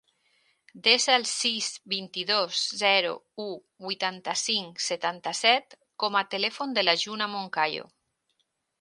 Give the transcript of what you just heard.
Desa el sis, vint-i-dos, zero, u, vuitanta-cinc, setanta-set com a telèfon de la Juna Moncayo.